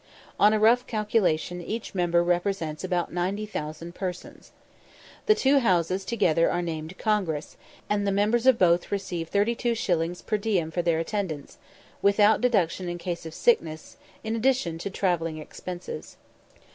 On a rough calculation, each member represents about 90,000 persons. The two houses together are named Congress, and the members of both receive 32_s._ per diem for their attendance, without deduction in case of sickness, in addition to travelling expenses.